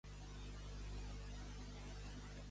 Com la balena de Monfort, que era una albarda.